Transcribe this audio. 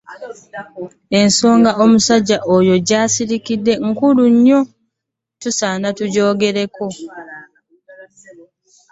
Ensonga omusajja oyo gy'aseese nkulu nnyo era tusaanye tugirowoozeeko.